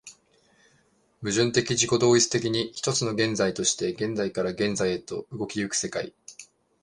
矛盾的自己同一的に、一つの現在として現在から現在へと動き行く世界